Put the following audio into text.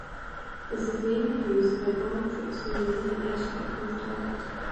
This is mainly used by ground troops when using an air-strike on the target.